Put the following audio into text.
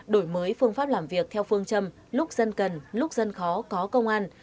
đổi mới phương pháp làm việc theo phương châm lúc dân cần lúc dân khó có công an